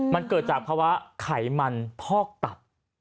มันเกิดจากภาวะไขมันพอกตับ